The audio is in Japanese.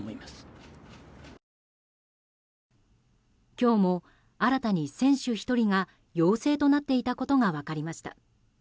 今日も新たに選手１人が陽性となっていたことが分かりました。